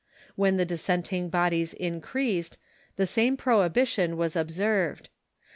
When the dissenting bodies increased, the same prohibition Avas ob serA'ed.